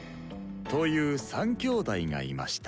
「という三きょうだいがいました」。